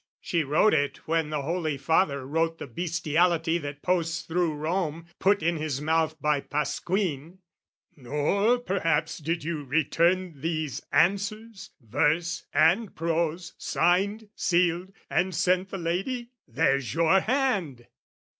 " She wrote it when the Holy Father wrote "The bestiality that posts thro' Rome, "Put in his mouth by Pasquin." "Nor perhaps "Did you return these answers, verse, and prose, "Signed, sealed and sent the lady? There's your hand!"